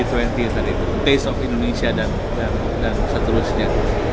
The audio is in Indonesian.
pace of indonesia dan seterusnya